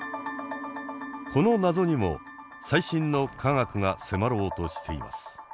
この謎にも最新の科学が迫ろうとしています。